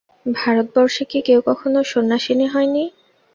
ভারতবর্ষে কি কেউ কখনো সন্ন্যাসিনী হয় নি?